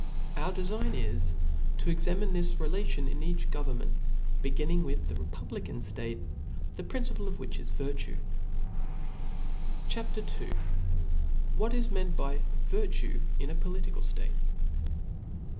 Our defign is to examine this relation in each government, beginning with the republican ftate, whofe principle is virtue. CHAP. II. What is meant by Virtue in a Political State.